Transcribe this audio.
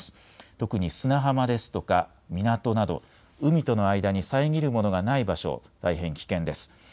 特に砂浜ですとか港など海との間に遮るものがない場所、大変危険です。